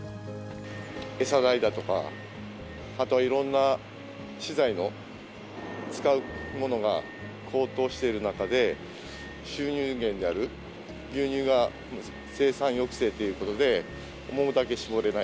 餌代だとか、あとはいろんな資材の、使うものが高騰している中で、収入源である牛乳が生産抑制ということで、思うだけ搾れない。